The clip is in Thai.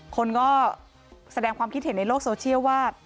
คนก็แสดงความคิดเห็นในโลกโซเชียลว่า